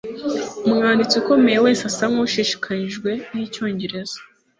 Umwanditsi ukomeye wese asa nkushishikajwe nicyongereza